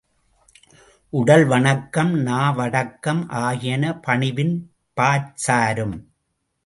உடல் வணக்கம் நாவடக்கம் ஆகியன பணிவின் பாற்சாரும்!